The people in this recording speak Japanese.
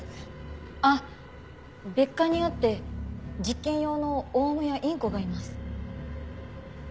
あっ別館にあって実験用のオウムやインコがいます。